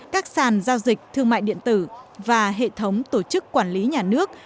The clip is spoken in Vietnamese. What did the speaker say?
các sàn giao dịch thương mại điện tử và hệ thống tổ chức quản lý nhà nước